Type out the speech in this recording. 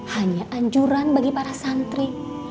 hanya anjuran bagi para santri